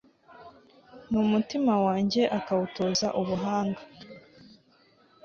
n'umutima wanjye akawutoza ubuhanga